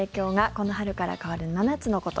この春から変わる７つのこと。